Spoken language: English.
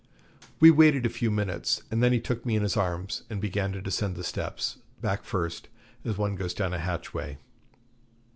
We waited a few minutes, and then he took me in his arms and began to descend the steps, back first, as one goes down a hatchway.